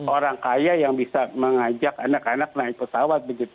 orang kaya yang bisa mengajak anak anak naik pesawat